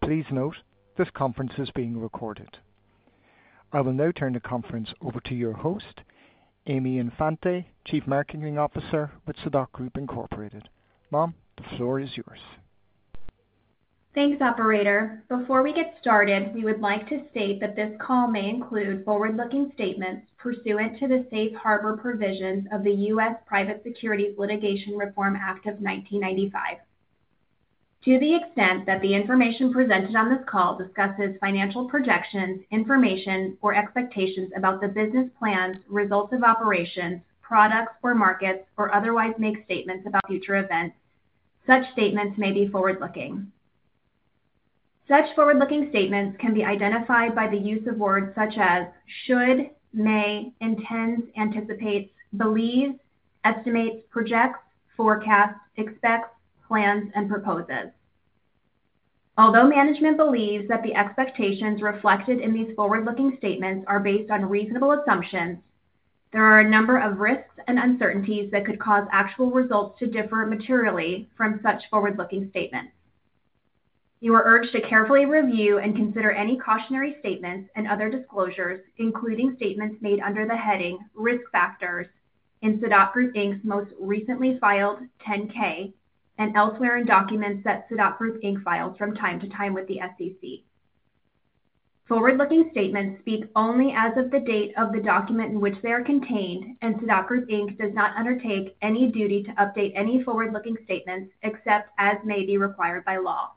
Please note this conference is being recorded. I will now turn the conference over to your host, Aimee Infante, Chief Marketing Officer with Sadot Group Inc. Aimee, the floor is yours. Thanks, operator. Before we get started, we would like to state that this call may include forward-looking statements pursuant to the Safe Harbor provisions of the U.S. Private Security Litigation Reform Act of 1995. To the extent that the information presented on this call discusses financial projections, information, or expectations about the business plan, results of operations, products or markets, or otherwise make statements about future events, such statements may be forward-looking. Such forward-looking statements can be identified by the use of words such as should, may, intend, anticipate, believe, estimate, project, forecast, expect, plans, and proposes. Although management believes that the expectations reflected in these forward-looking statements are based on reasonable assumptions, there are a number of risks and uncertainties that could cause actual results to differ materially from such forward-looking statements. You are urged to carefully review and consider any cautionary statements and other disclosures, including statements made under the heading Risk Factors in Sadot Group Inc.'s most recently filed 10-K and elsewhere in documents that Sadot Group Inc. files from time to time with the SEC. Forward-looking statements speak only as of the date of the document in which they are contained, and Sadot Group Inc. does not undertake any duty to update any forward-looking statements except as may be required by law.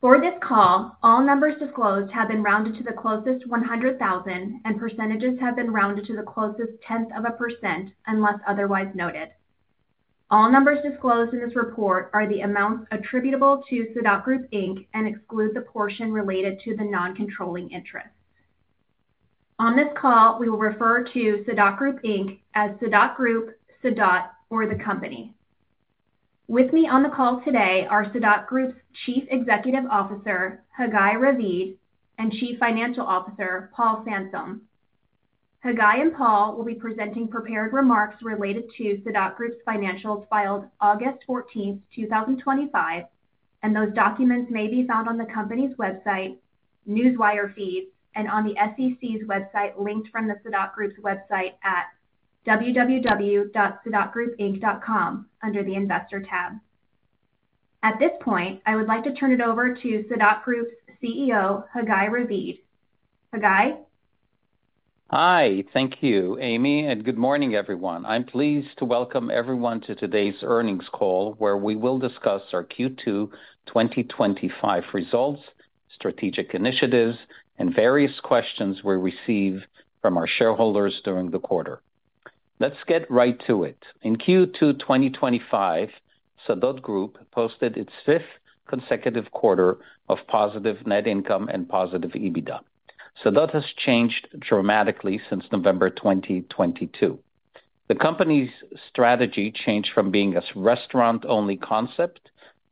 For this call, all numbers disclosed have been rounded to the closest $100,000, and percentages have been rounded to the closest 0.1% unless otherwise noted. All numbers disclosed in this report are the amount attributable to Sadot Group Inc. and exclude the portion related to the non-controlling interest. On this call, we will refer to Sadot Group Inc. as Sadot Group, Sadot, or the company. With me on the call today are Sadot Group's Chief Executive Officer, Chagay Ravid, and Chief Financial Officer, Paul Sansom. Chagay and Paul will be presenting prepared remarks related to Sadot Group's financials filed August 14, 2025, and those documents may be found on the company's website, Newswire Feed, and on the SEC's website linked from the Sadot Group's website at www.sadotgroupinc.com under the Investor tab. At this point, I would like to turn it over to Sadot Group's CEO, Chagay Ravid. Chagay? Hi, thank you, Aimee, and good morning, everyone. I'm pleased to welcome everyone to today's earnings call where we will discuss our Q2 2025 results, strategic initiatives, and various questions we receive from our shareholders during the quarter. Let's get right to it. In Q2 2025, Sadot Group posted its fifth consecutive quarter of positive net income and positive EBITDA. Sadot has changed dramatically since November 2022. The company's strategy changed from being a restaurant-only concept,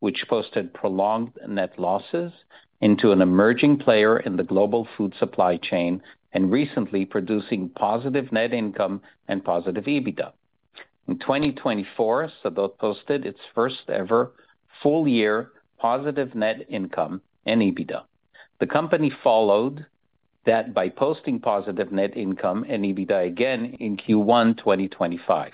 which posted prolonged net losses, into an emerging player in the global food supply chain and recently producing positive net income and positive EBITDA. In 2024, Sadot posted its first ever full-year positive net income and EBITDA. The company followed that by posting positive net income and EBITDA again in Q1 2025.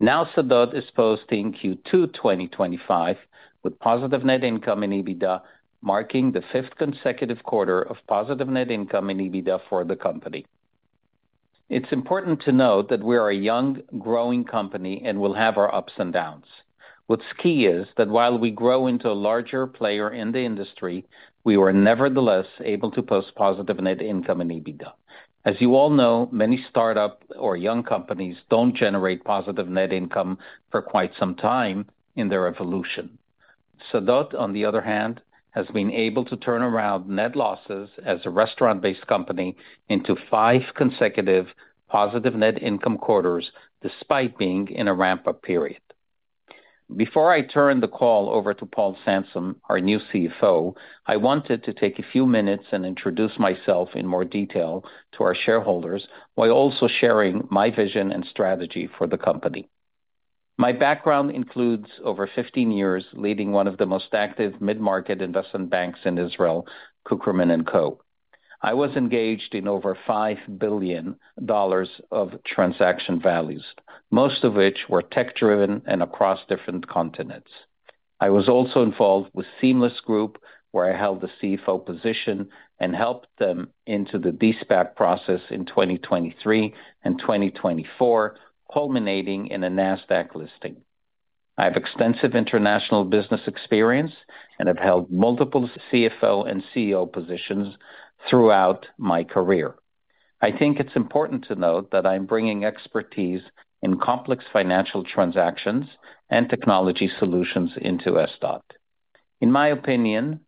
Now, Sadot is posting Q2 2025 with positive net income and EBITDA, marking the fifth consecutive quarter of positive net income and EBITDA for the company. It's important to note that we are a young, growing company and will have our ups and downs. What's key is that while we grow into a larger player in the industry, we were nevertheless able to post positive net income and EBITDA. As you all know, many startups or young companies don't generate positive net income for quite some time in their evolution. Sadot, on the other hand, has been able to turn around net losses as a restaurant-based company into five consecutive positive net income quarters despite being in a ramp-up period. Before I turn the call over to Paul Sansom, our new CFO, I wanted to take a few minutes and introduce myself in more detail to our shareholders while also sharing my vision and strategy for the company. My background includes over 15 years leading one of the most active mid-market investment banks in Israel, Cukierman & Co. I was engaged in over $5 billion of transaction values, most of which were tech-driven and across different continents. I was also involved with Seamless Group, where I held the CFO position and helped them into the de spac process in 2023 and 2024, culminating in a Nasdaq listing. I have extensive international business experience and have held multiple CFO and CEO positions throughout my career. I think it's important to note that I'm bringing expertise in complex financial transactions and technology solutions into Sadot. In my opinion,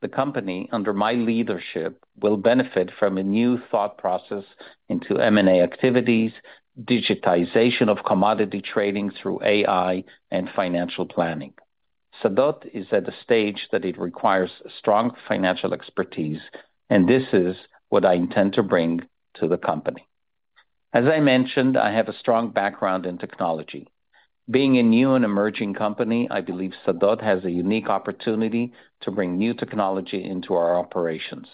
the company under my leadership will benefit from a new thought process into M&A activities, digitization of commodity trading through artificial intelligence, and financial planning. Sadot is at a stage that it requires strong financial expertise, and this is what I intend to bring to the company. As I mentioned, I have a strong background in technology. Being a new and emerging company, I believe Sadot has a unique opportunity to bring new technology into our operations.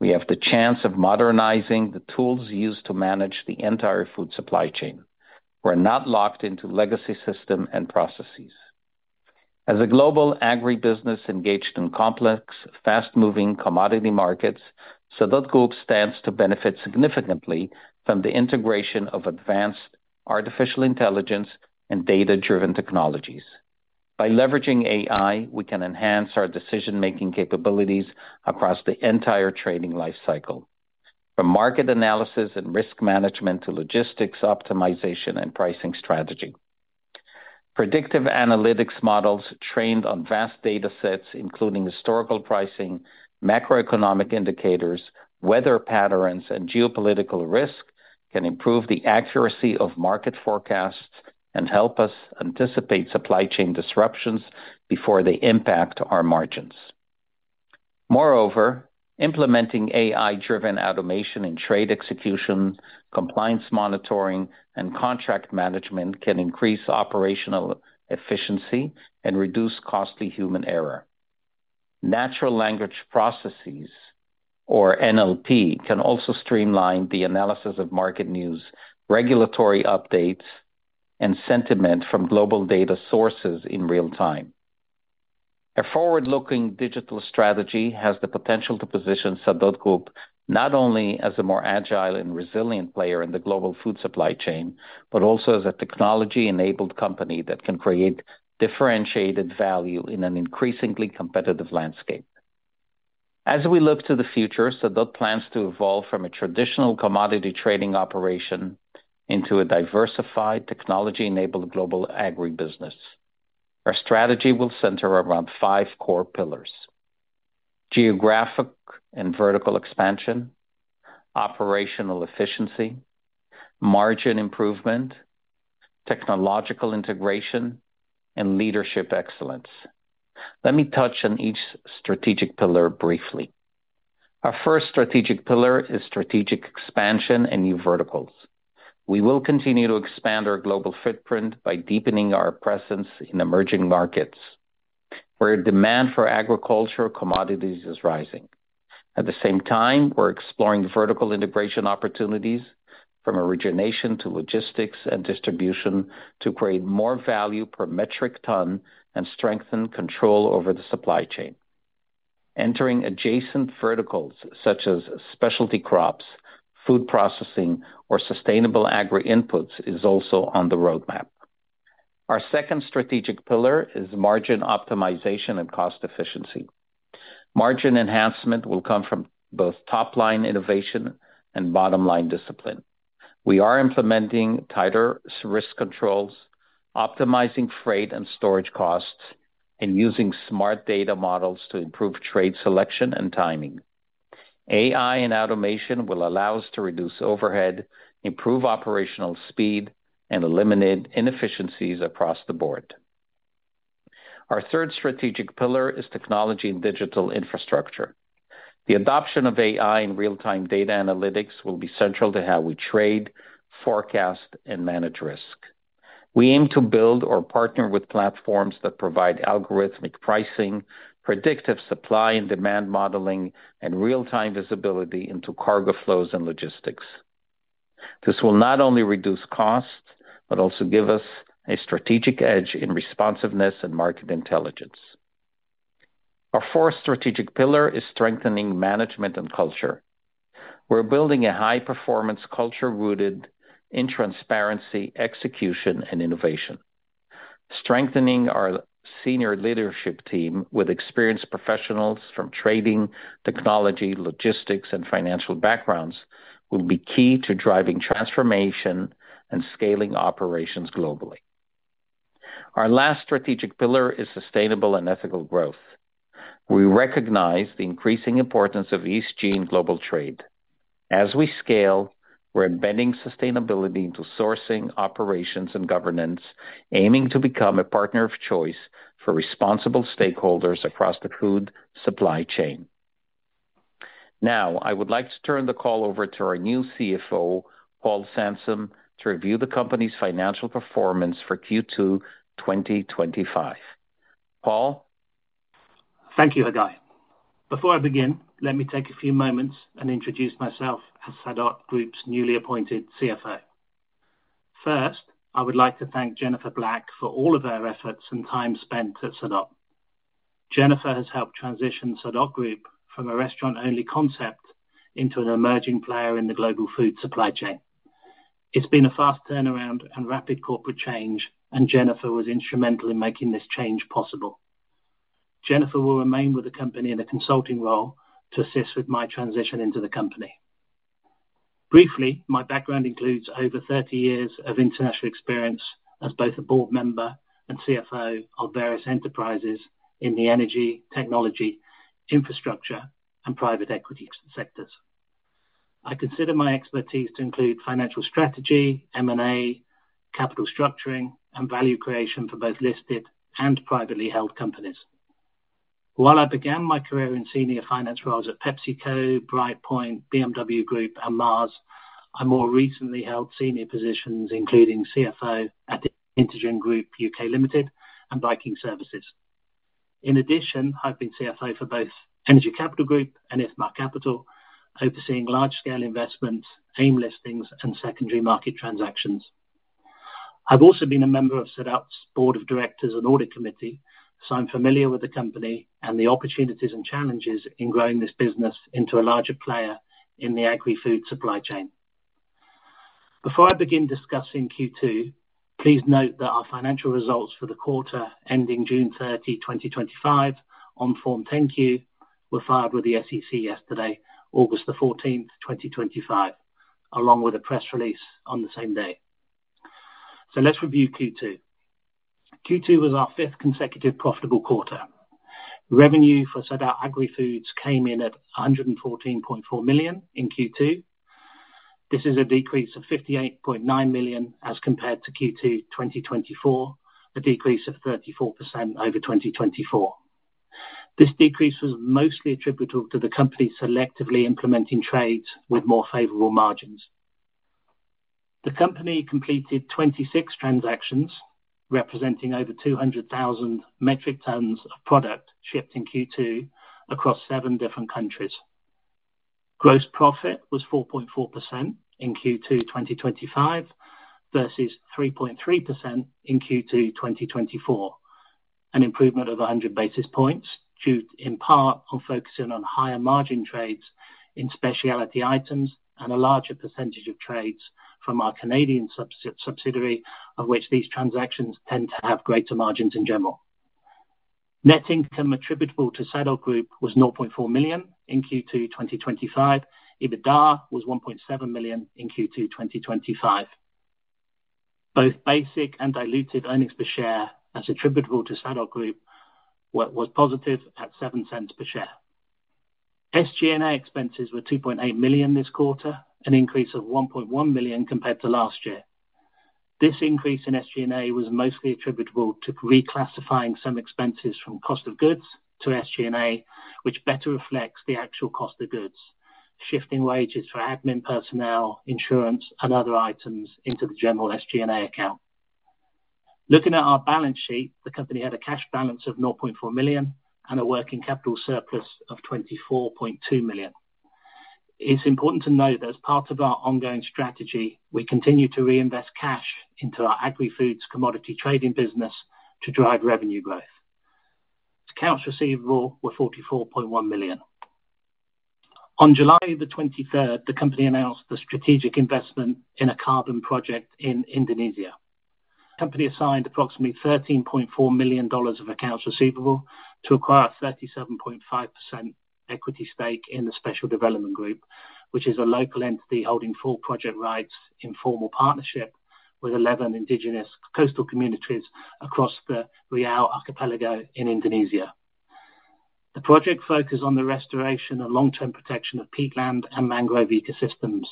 We have the chance of modernizing the tools used to manage the entire food supply chain. We're not locked into legacy systems and processes. As a global agribusiness engaged in complex, fast-moving commodity markets, Sadot Group stands to benefit significantly from the integration of advanced artificial intelligence and data-driven technologies. By leveraging artificial intelligence, we can enhance our decision-making capabilities across the entire trading lifecycle, from market analysis and risk management to logistics optimization and pricing strategy. Predictive analytics models trained on vast data sets, including historical pricing, macroeconomic indicators, weather patterns, and geopolitical risk, can improve the accuracy of market forecasts and help us anticipate supply chain disruptions before they impact our margins. Moreover, implementing artificial intelligence-driven automation in trade execution, compliance monitoring, and contract management can increase operational efficiency and reduce costly human error. Natural language processes, or NLP, can also streamline the analysis of market news, regulatory updates, and sentiment from global data sources in real time. A forward-looking digital strategy has the potential to position Sadot Group not only as a more agile and resilient player in the global food supply chain, but also as a technology-enabled company that can create differentiated value in an increasingly competitive landscape. As we look to the future, Sadot plans to evolve from a traditional commodity trading operation into a diversified, technology-enabled global agribusiness. Our strategy will center around five core pillars: geographic and vertical expansion, operational efficiency, margin improvement, technological integration, and leadership excellence. Let me touch on each strategic pillar briefly. Our first strategic pillar is strategic expansion and new verticals. We will continue to expand our global footprint by deepening our presence in emerging markets where demand for agricultural commodities is rising. At the same time, we're exploring vertical integration opportunities from origination to logistics and distribution to create more value per metric ton and strengthen control over the supply chain. Entering adjacent verticals such as specialty crops, food processing, or sustainable agri inputs is also on the roadmap. Our second strategic pillar is margin optimization and cost efficiency. Margin enhancement will come from both top-line innovation and bottom-line discipline. We are implementing tighter risk controls, optimizing freight and storage costs, and using smart data models to improve trade selection and timing. AI and automation will allow us to reduce overhead, improve operational speed, and eliminate inefficiencies across the board. Our third strategic pillar is technology and digital infrastructure. The adoption of AI and real-time data analytics will be central to how we trade, forecast, and manage risk. We aim to build or partner with platforms that provide algorithmic pricing, predictive supply and demand modeling, and real-time visibility into cargo flows and logistics. This will not only reduce costs but also give us a strategic edge in responsiveness and market intelligence. Our fourth strategic pillar is strengthening management and culture. We're building a high-performance culture rooted in transparency, execution, and innovation. Strengthening our senior leadership team with experienced professionals from trading, technology, logistics, and financial backgrounds will be key to driving transformation and scaling operations globally. Our last strategic pillar is sustainable and ethical growth. We recognize the increasing importance of ESG in global trade. As we scale, we're embedding sustainability into sourcing, operations, and governance, aiming to become a partner of choice for responsible stakeholders across the food supply chain. Now, I would like to turn the call over to our new CFO, Paul Sansom, to review the company's financial performance for Q2 2025. Paul? Thank you, Chagay. Before I begin, let me take a few moments and introduce myself as Sadot Group's newly appointed CFO. First, I would like to thank Jennifer Black for all of her efforts and time spent at Sadot. Jennifer has helped transition Sadot Group from a restaurant-only concept into an emerging player in the global food supply chain. It's been a fast turnaround and rapid corporate change, and Jennifer was instrumental in making this change possible. Jennifer will remain with the company in a consulting role to assist with my transition into the company. Briefly, my background includes over 30 years of international experience as both a board member and CFO on various enterprises in the energy, technology, infrastructure, and private equity sectors. I consider my expertise to include financial strategy, M&A, capital structuring, and value creation for both listed and privately held companies. While I began my career in senior finance roles at PepsiCo, Brightpoint, BMW Group, and Mars, I more recently held senior positions including CFO at InteGen Group U.K. Limited and Viking Services. In addition, I've been CFO for both Energy Capital Group and Ithmar Capital, overseeing large-scale investments, AIM listings, and secondary market transactions. I've also been a member of Sadot's Board of Directors and Audit Committee, so I'm familiar with the company and the opportunities and challenges in growing this business into a larger player in the agri-food supply chain. Before I begin discussing Q2, please note that our financial results for the quarter ending June 30, 2025, on Form 10-Q, were filed with the SEC yesterday, August 14, 2025, along with a press release on the same day. Let's review Q2. Q2 was our fifth consecutive profitable quarter. Revenue for Sadot Agri-Foods came in at $114.4 million in Q2. This is a decrease of $58.9 million as compared to Q2 2024, a decrease of 34% over 2024. This decrease was mostly attributable to the company selectively implementing trades with more favorable margins. The company completed 26 transactions, representing over 200,000 metric tons of product shipped in Q2 across seven different countries. Gross profit was 4.4% in Q2 2025 versus 3.3% in Q2 2024, an improvement of 100 basis points due in part to focusing on higher margin trades in specialty items and a larger percentage of trades from our Canadian subsidiary, of which these transactions tend to have greater margins in general. Net income attributable to Sadot Group was $0.4 million in Q2 2025. EBITDA was $1.7 million in Q2 2025. Both basic and diluted earnings per share, as attributable to Sadot Group, was positive at $0.07 per share. SG&A expenses were $2.8 million this quarter, an increase of $1.1 million compared to last year. This increase in SG&A was mostly attributable to reclassifying some expenses from cost of goods to SG&A, which better reflects the actual cost of goods, shifting wages for admin personnel, insurance, and other items into the general SG&A account. Looking at our balance sheet, the company had a cash balance of $0.4 million and a working capital surplus of $24.2 million. It's important to note that as part of our ongoing strategy, we continue to reinvest cash into our agri-foods commodity trading business to drive revenue growth. Accounts receivable were $44.1 million. On July 23, the company announced the strategic investment in a carbon project in Indonesia. The company assigned approximately $13.4 million of accounts receivable to acquire a 37.5% equity stake in the Special Development Group, which is a local entity holding full project rights in formal partnership with 11 indigenous coastal communities across the Riau Archipelago in Indonesia. The project focused on the restoration and long-term protection of peatland and mangrove ecosystems.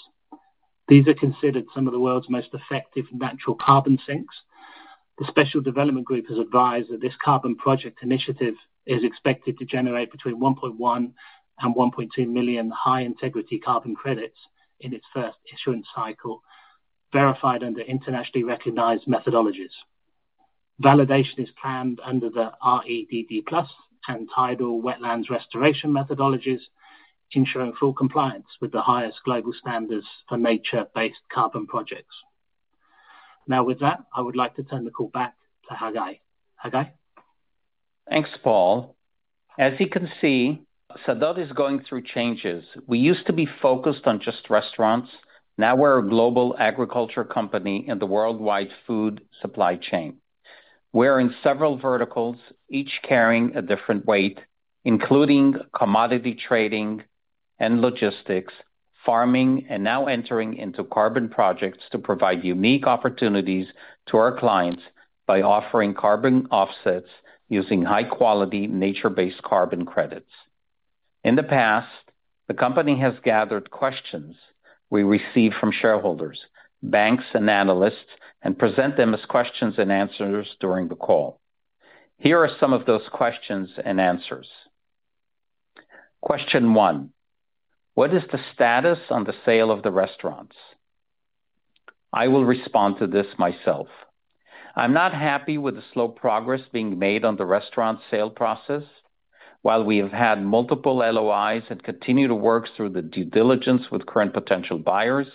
These are considered some of the world's most effective natural carbon sinks. The Special Development Group has advised that this carbon project initiative is expected to generate between 1.1 million and 1.2 million high-integrity carbon credits in its first issuance cycle, verified under internationally recognized methodologies. Validation is planned under the REDD+ and tidal wetlands restoration methodologies, ensuring full compliance with the highest global standards for nature-based carbon projects. Now, with that, I would like to turn the call back to Chagay. Chagay? Thanks, Paul. As you can see, Sadot is going through changes. We used to be focused on just restaurants. Now we're a global agriculture company in the worldwide food supply chain. We're in several verticals, each carrying a different weight, including commodity trading and logistics, farming, and now entering into carbon projects to provide unique opportunities to our clients by offering carbon offsets using high-quality nature-based carbon credits. In the past, the company has gathered questions we receive from shareholders, banks, and analysts and present them as questions and answers during the call. Here are some of those questions and answers. Question one, what is the status on the sale of the restaurants? I will respond to this myself. I'm not happy with the slow progress being made on the restaurant sale process. While we have had multiple LOIs and continue to work through the due diligence with current potential buyers,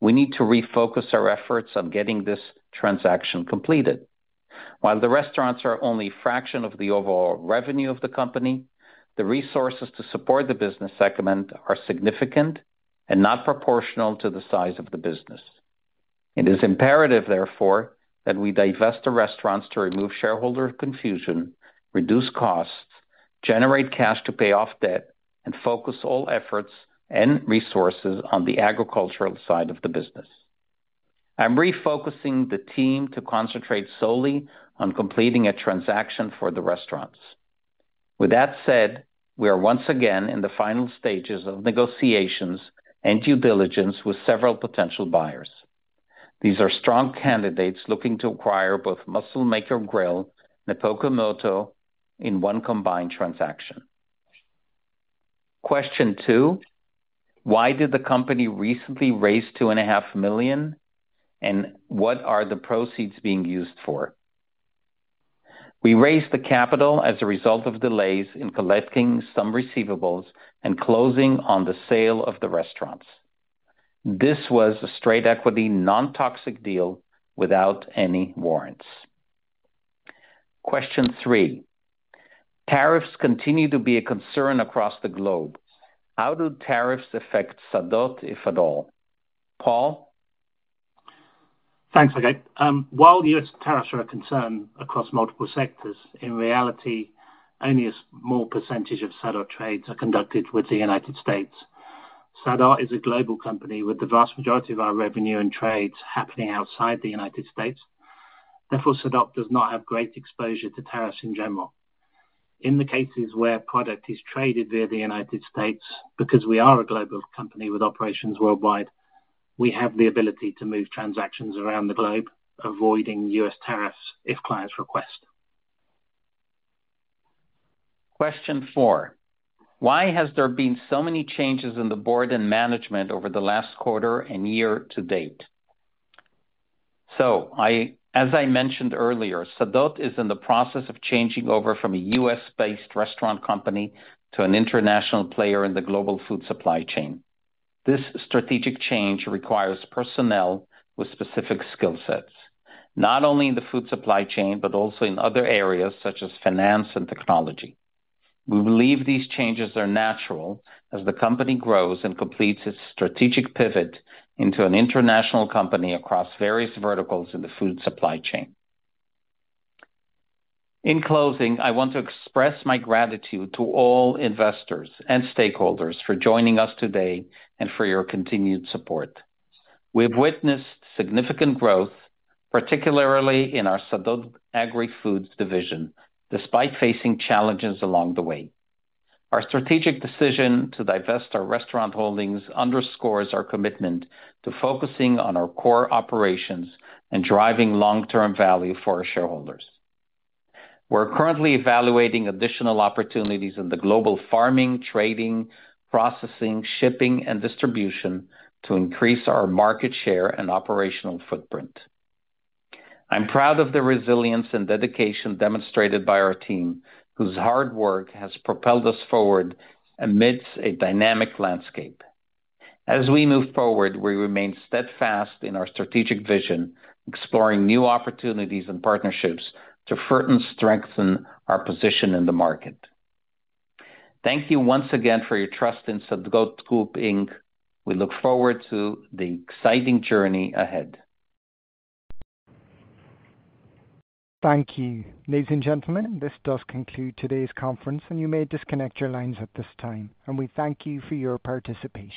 we need to refocus our efforts on getting this transaction completed. While the restaurants are only a fraction of the overall revenue of the company, the resources to support the business segment are significant and not proportional to the size of the business. It is imperative, therefore, that we divest the restaurants to remove shareholder confusion, reduce costs, generate cash to pay off debt, and focus all efforts and resources on the agricultural side of the business. I'm refocusing the team to concentrate solely on completing a transaction for the restaurants. With that said, we are once again in the final stages of negotiations and due diligence with several potential buyers. These are strong candidates looking to acquire both Muscle Maker Grill and Pokemoto in one combined transaction. Question two, why did the company recently raise $2.5 million and what are the proceeds being used for? We raised the capital as a result of delays in collecting some receivables and closing on the sale of the restaurants. This was a straight equity, non-toxic deal without any warrants. Question three, tariffs continue to be a concern across the globe. How do tariffs affect Sadot, if at all? Paul? Thanks, Chagay. While U.S. tariffs are a concern across multiple sectors, in reality, only a small percentage of Sadot trades are conducted with the United States. Sadot is a global company with the vast majority of our revenue and trades happening outside the United States. Therefore, Sadot does not have great exposure to tariffs in general. In the cases where product is traded via the United States, because we are a global company with operations worldwide, we have the ability to move transactions around the globe, avoiding U.S. tariffs if clients request. Question four, why has there been so many changes in the board and management over the last quarter and year to date? As I mentioned earlier, Sadot is in the process of changing over from a U.S.-based restaurant company to an international player in the global food supply chain. This strategic change requires personnel with specific skill sets, not only in the food supply chain but also in other areas such as finance and technology. We believe these changes are natural as the company grows and completes its strategic pivot into an international company across various verticals in the food supply chain. In closing, I want to express my gratitude to all investors and stakeholders for joining us today and for your continued support. We've witnessed significant growth, particularly in our Sadot Agri-Foods division, despite facing challenges along the way. Our strategic decision to divest our restaurant holdings underscores our commitment to focusing on our core operations and driving long-term value for our shareholders. We're currently evaluating additional opportunities in the global farming, trading, processing, shipping, and distribution to increase our market share and operational footprint. I'm proud of the resilience and dedication demonstrated by our team, whose hard work has propelled us forward amidst a dynamic landscape. As we move forward, we remain steadfast in our strategic vision, exploring new opportunities and partnerships to further strengthen our position in the market. Thank you once again for your trust in Sadot Group Inc. We look forward to the exciting journey ahead. Thank you. Ladies and gentlemen, this does conclude today's conference. You may disconnect your lines at this time. We thank you for your participation.